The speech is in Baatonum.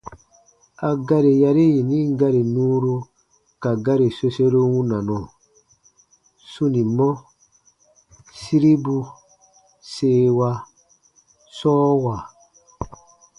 A gari yari yinin gari nuuru ka gari soseru wunanɔ: sunimɔ- siribu- seewa- sɔɔwa.